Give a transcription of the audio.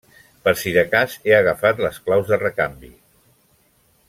Per si de cas he agafat les claus de recanvi.